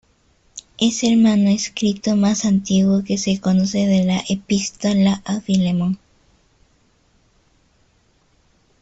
Es el manuscrito más antiguo que se conoce de la Epístola a Filemón.